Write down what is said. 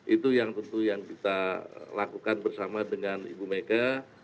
itu yang tentu yang kita lakukan bersama dengan ibu mega